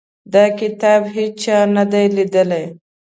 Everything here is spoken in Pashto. دا کتاب هیچا نه دی لیدلی.